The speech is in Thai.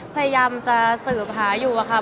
พยายามจะสืบหาอยู่อะค่ะ